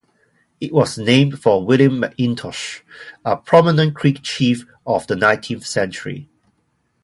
It was named for William McIntosh, a prominent Creek chief of the nineteenth century.